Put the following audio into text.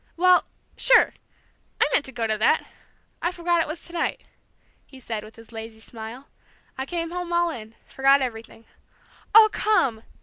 "Well sure! I meant to go to that. I forgot it was to night," he said, with his lazy smile. "I came home all in, forgot everything." "Oh, come!"